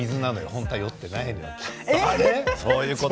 本当は酔ってないのよ。